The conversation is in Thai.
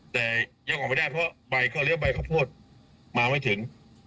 แต่ยังออกไม่ได้เพราะใบเขาเลี้ยใบข้าวโพดมาไม่ถึง